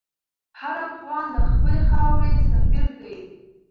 هر افغان د خپلې خاورې سفیر دی.